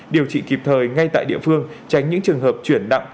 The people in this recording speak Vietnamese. điều trị kịp thời ngay tại địa phương tránh những trường hợp chuyển nặng